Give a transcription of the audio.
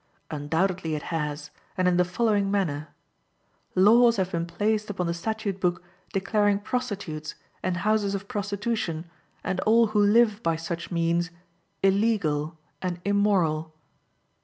Undoubtedly it has, and in the following manner: Laws have been placed upon the statute book declaring prostitutes, and houses of prostitution, and all who live by such means, illegal and immoral.